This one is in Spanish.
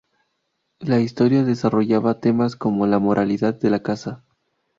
La historia desarrollaba temas como la moralidad de la caza.